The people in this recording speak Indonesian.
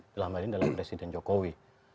dalam hal ini adalah presiden jokowi